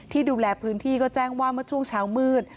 ดูแลพื้นที่ก็แจ้งว่าเมื่อช่วงเช้ามืด